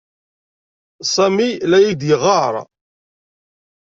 Sami la ak-d-yeɣɣar.